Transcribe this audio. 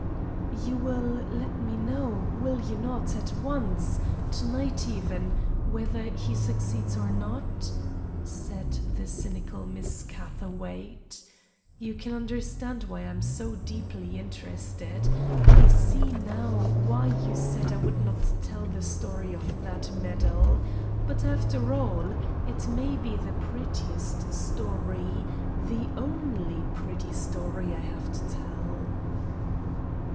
"You will let me know, will you not, at once, to night, even, whether he succeeds or not?" said the cynical Miss Catherwaight. "You can understand why I am so deeply interested. I see now why you said I would not tell the story of that medal. But, after all, it may be the prettiest story, the only pretty story I have to tell."